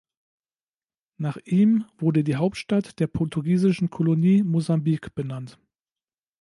Nach ihm wurde die Hauptstadt der portugiesischen Kolonie Mosambik benannt.